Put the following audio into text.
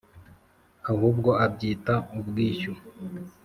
ahubwo abyita ubwishyu.